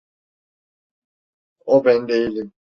O ben değilim.